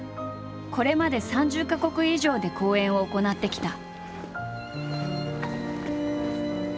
これまで３０か国以上で公演を行ってきた。